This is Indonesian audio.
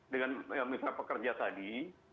dengan pemerintah pekerja tadi